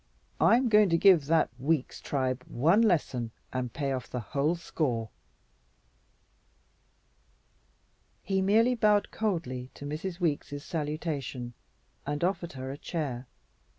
I'm going to give that Weeks tribe one lesson and pay off the whole score." He merely bowed coldly to Mrs. Weeks' salutation and offered her a chair.